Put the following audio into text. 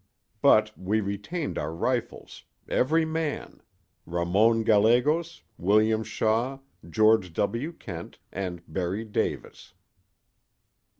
But we retained our rifles, every man—Ramon Gallegos, William Shaw, George W. Kent and Berry Davis."